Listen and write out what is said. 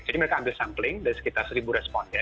jadi mereka ambil sampling dari sekitar seribu respons ya